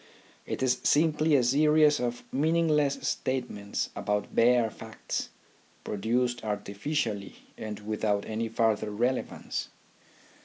It is simply a series of meaningless statements about bare facts, produced artificially and without any further relevance.